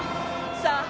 さあ！